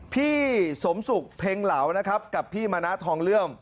พี่สมศุกร์เพลงเหลานะครับกับพี่มณะทองเลื่อม